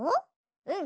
うん！